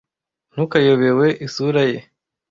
Ntukayobewe isura ye.